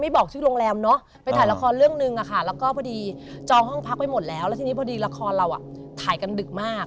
บอกชื่อโรงแรมเนาะไปถ่ายละครเรื่องหนึ่งอะค่ะแล้วก็พอดีจองห้องพักไปหมดแล้วแล้วทีนี้พอดีละครเราอ่ะถ่ายกันดึกมาก